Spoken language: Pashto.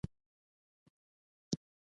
ژبه د پوهې بنسټ ده